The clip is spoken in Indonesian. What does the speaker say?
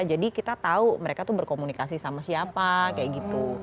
jadi kita tahu mereka tuh berkomunikasi sama siapa kayak gitu